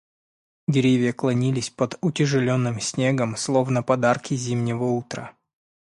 Деревья клонились под утяжеленным снегом, словно подарки зимнего утра.